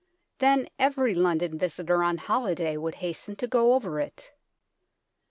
Then every London visitor on holiday would hasten to go over it.